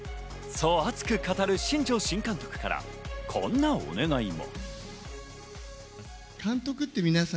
そう熱く語る新庄新監督からこんなお願いも。